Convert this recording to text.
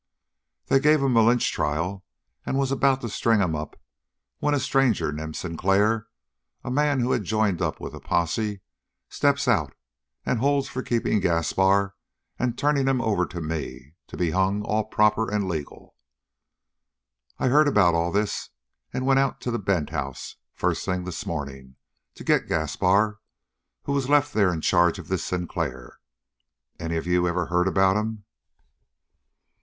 They gave him a lynch trial and was about to string him up when a stranger named Sinclair, a man who had joined up with the posse, steps out and holds for keeping Gaspar and turning him over to me, to be hung all proper and legal. I heard about all this and went out to the Bent house, first thing this morning, to get Gaspar, who was left there in charge of this Sinclair. Any of you ever heard about him?"